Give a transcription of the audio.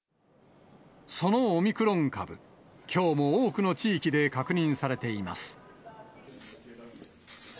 そのオミクロン株、きょうも多くの地域で確認されています。